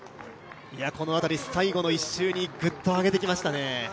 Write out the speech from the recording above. この辺り、最後の１周にぐっと上げてきましたね。